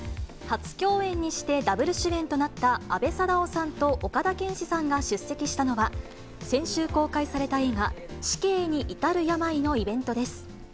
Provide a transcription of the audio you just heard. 初共演にして、ダブル主演となった阿部サダヲさんと岡田健史さんが出席したのは、先週公開された映画、死刑にいたる病のイベントです。